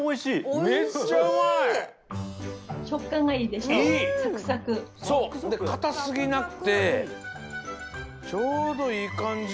でかたすぎなくてちょうどいいかんじ。